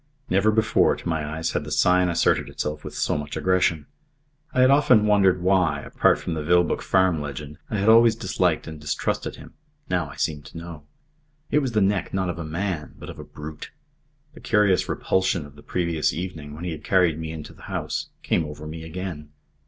Never before, to my eyes, had the sign asserted itself with so much aggression. I had often wondered why, apart from the Vilboek Farm legend, I had always disliked and distrusted him. Now I seemed to know. It was the neck not of a man, but of a brute. The curious repulsion of the previous evening, when he had carried me into the house, came over me again.